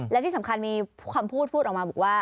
และที่สำคัญมีคำพูดพูดออกมาบอกว่า